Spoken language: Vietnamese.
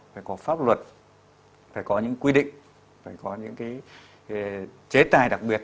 phải có pháp luật phải có những quy định phải có những cái chế tài đặc biệt